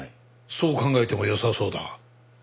そう考えてもよさそうだ。